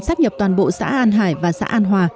sắp nhập toàn bộ xã an hải và xã an hòa